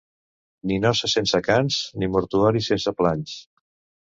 Ni noces sense cants, ni mortuori sense planys.